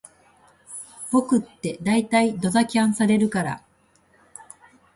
僕ってだいたいドタキャンされるから